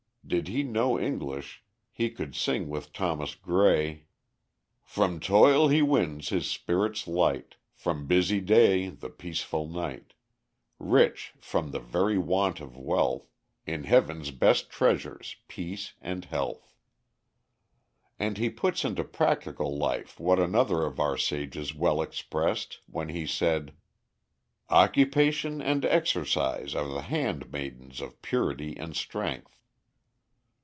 Did he know English, he could sing with Thomas Gray: "From toil he wins his spirits light, From busy day the peaceful night: Rich, from the very want of wealth, In heaven's best treasures, peace and health." And he puts into practical life what another of our sages well expressed when he said: "Occupation and exercise are the hand maidens of purity and strength."